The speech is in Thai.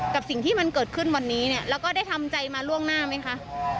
กับสิ่งที่มันเกิดขึ้นวันนี้เนี่ยแล้วก็ได้ทำใจมาล่วงหน้าไหมคะ